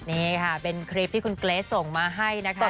นี่ค่ะเป็นคลิปที่คุณเกรสส่งมาให้นะคะ